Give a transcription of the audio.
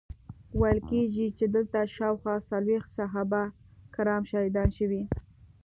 ویل کیږي چې دلته شاوخوا څلویښت صحابه کرام شهیدان شوي.